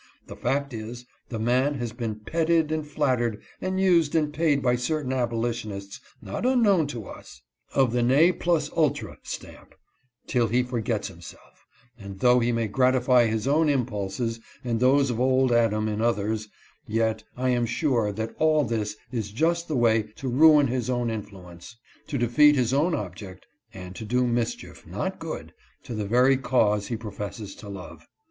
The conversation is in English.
The fact is, the man has been petted and flattered and used and paid by certain abolitionists, not unknown to us, of the ne plus ultra stamp, till he forgets himself, and though he may gratify his own impulses and those of old Adam in others, yet I am sure that all this is just the way to ruin his own influ ence, to defeat his own object, and to do mischief, not good, to the very cause he professes to love.